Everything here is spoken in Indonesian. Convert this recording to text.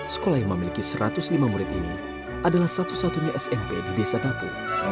sekolah yang memiliki satu ratus lima murid ini adalah satu satunya smp di desa dapu